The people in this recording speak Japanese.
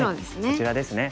こちらですね。